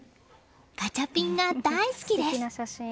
ガチャピンが大好きです。